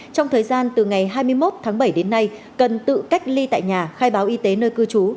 trong thời gian từ ngày hai mươi một tháng bảy đến nay cần tự cách ly tại nhà khai báo y tế nơi cư trú